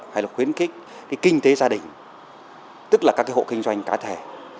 hay là khuyến khích cái kinh tế gia đình tức là các cái hộ kinh doanh cá thể